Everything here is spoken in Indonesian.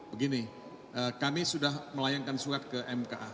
begini kami sudah melayangkan surat ke mk